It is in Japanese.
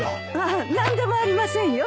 あっ何でもありませんよ。